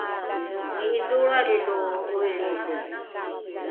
ni’idholroali lo ’oilrili